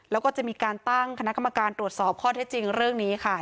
แล้วก็จะมีการตั้งคณะกรรมการตรวจสอบข้อเท็จจริงเรื่องนี้ค่ะ